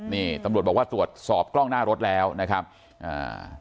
นี่ตำรวจบอกว่าตรวจสอบกล้องหน้ารถแล้วนะครับอ่า